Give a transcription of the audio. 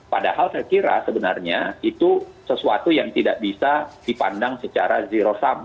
padahal saya kira sebenarnya itu sesuatu yang tidak bisa dipandang secara zero sum